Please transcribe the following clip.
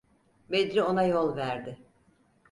Bedri ona yol verdi.